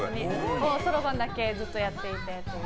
そろばんだけずっとやっていて。